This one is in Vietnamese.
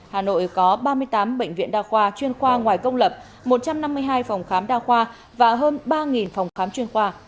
hà nội có ba mươi tám bệnh viện đa khoa chuyên khoa ngoài công lập một trăm năm mươi hai phòng khám đa khoa và hơn ba phòng khám chuyên khoa